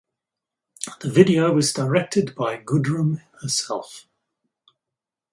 The video was directed by Goodrem herself.